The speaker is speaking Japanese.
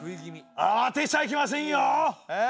あわてちゃいけませんよええ。